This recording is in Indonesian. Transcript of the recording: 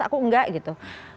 aku enggak gitu